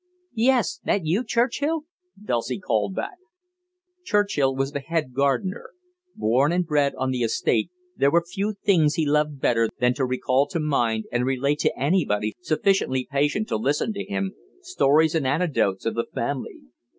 "Yes. That you, Churchill?" Dulcie called back. Churchill was the head gardener. Born and bred on the estate, there were few things he loved better than to recall to mind, and relate to anybody sufficiently patient to listen to him, stories and anecdotes of the family.